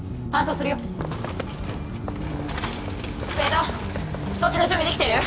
スペードそっちの準備できてる？